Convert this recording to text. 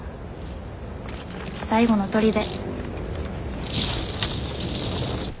最後のとりで。